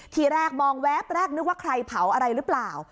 ทีแรกมองแวบแรกนึกว่าใครเผาอะไรหรือเปล่า